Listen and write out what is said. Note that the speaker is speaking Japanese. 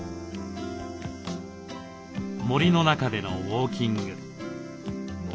森の中でのウォーキング。